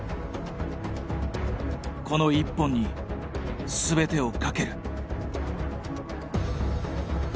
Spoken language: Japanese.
この一本に全てをかける。